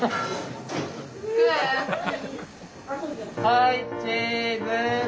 はいチーズ！